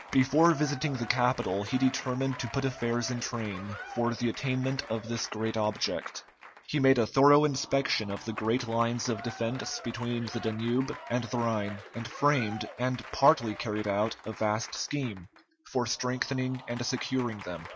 Before visiting the capital he determined to put affairs in train for the attainment of this great object. He made a thorough inspection of the great lines of defence between the Danube and the Rhine, and framed, and partly carried out, a vast scheme for strengthening and securing them.